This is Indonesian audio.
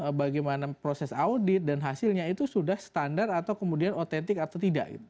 bagaimana proses audit dan hasilnya itu sudah standar atau kemudian otentik atau tidak